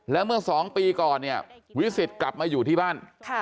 แล้วเมื่อ๒ปีก่อนเนี่ยวิสิทธิ์กลับมาอยู่ที่บ้าน